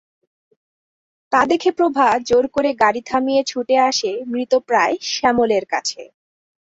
তা দেখে প্রভা জোর করে গাড়ি থামিয়ে ছুটে আসে মৃতপ্রায় শ্যামলের কাছে।